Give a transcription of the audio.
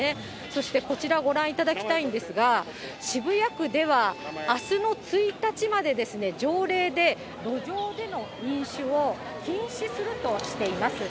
そしてこちらご覧いただきたいんですが、渋谷区ではあすの１日までですね、条例で路上での飲酒を禁止するとしています。